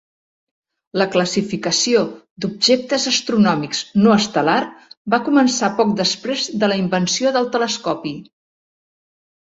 La classificació d'objectes astronòmics no estel·lar va començar poc després de la invenció del telescopi.